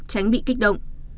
tránh bị kích động